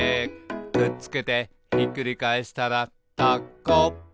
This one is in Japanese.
「くっつけてひっくり返したらタコ」